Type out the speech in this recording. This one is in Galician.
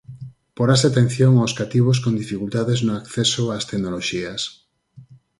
Porase atención aos cativos con dificultades no acceso ás tecnoloxías.